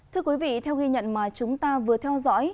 thưa quý vị theo ghi nhận mà chúng ta vừa theo dõi